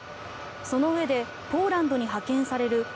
そのうえでポーランドに派遣される